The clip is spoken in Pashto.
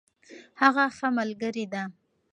هغه ښه ملګرې ده.